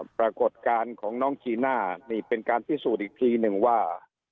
ปรากฏการณ์ของน้องจีน่านี่เป็นการพิสูจน์อีกทีหนึ่งว่า